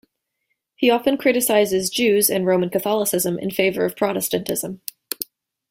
He often criticizes Jews and Roman Catholicism in favor of Protestantism.